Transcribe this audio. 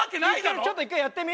ちょっと一回やってみ？